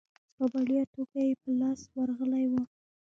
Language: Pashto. په وړیا توګه یې په لاس ورغلی وو.